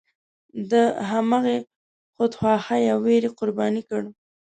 د همغې خودخواهۍ او ویرې قرباني کړ.